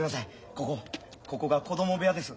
ここここが子供部屋です。